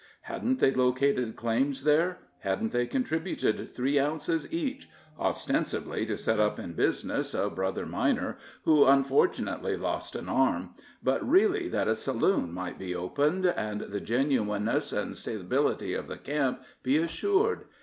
Hadn't they located claims there? Hadn't they contributed three ounces each, ostensibly to set up in business a brother miner who unfortunately lost an arm, but really that a saloon might be opened, and the genuineness and stability of the camp be assured?